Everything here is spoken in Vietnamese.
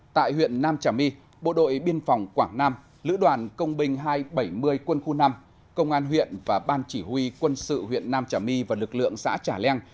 tại huyện nam trà my bộ đội biên phòng quảng nam lữ đoàn công binh hai trăm bảy mươi quân khu năm công an huyện và ban chỉ huy quân sự huyện nam trà my và lực lượng xã trà leng